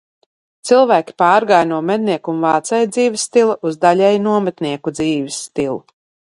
Cilvēki pārgāja no mednieku un vācēju dzīvesstila uz daļēju nometnieku dzīvestilu.